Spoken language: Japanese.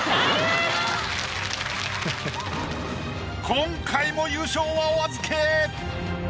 今回も優勝はお預け。